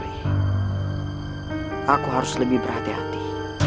lain kali aku harus lebih berhati hati